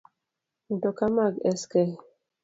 Mtoka mag sk